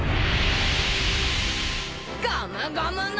ゴムゴムの！